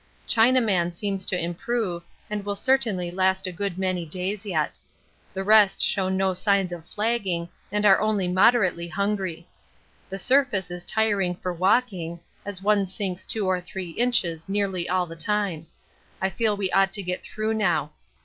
Chinaman seems to improve and will certainly last a good many days yet. The rest show no signs of flagging and are only moderately hungry. The surface is tiring for walking, as one sinks two or three inches nearly all the time. I feel we ought to get through now.